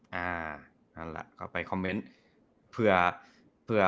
นั่นล่ะก็ไปคอมเม้นต์เผื่อ